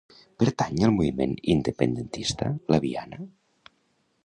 Pertany al moviment independentista la Viana?